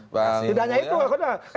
tidak hanya itu